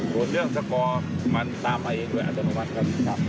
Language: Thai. ส่วนเรื่องสกอร์มันตามไปเองด้วยอัตโนมัติครับ